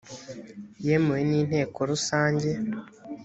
yemewe n inteko rusange